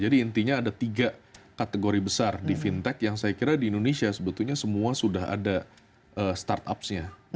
jadi intinya ada tiga kategori besar di fintech yang saya kira di indonesia sebetulnya semua sudah ada startups nya